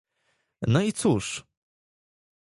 "No i cóż!..."